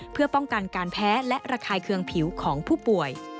เพื่อป้องกันการแพ้และระคายเคืองผิวของผู้ป่วย